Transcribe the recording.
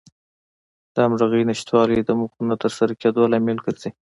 د همغږۍ نشتوالی د موخو نه تر سره کېدلو لامل ګرځي.